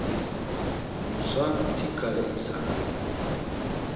Musa ti ǩale igzart̆u.